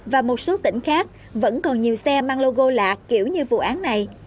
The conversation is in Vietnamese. và một số tỉnh khác vẫn còn nhiều xe mang logo lạ kiểu như vụ án này